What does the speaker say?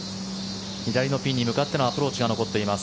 左のピンに向かってのアプローチが残っています。